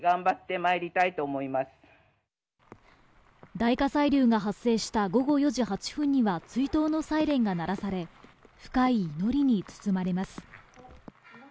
大火砕流が発生した午後４時８分には追悼のサイレンが鳴らされ、深い祈りに包まれます。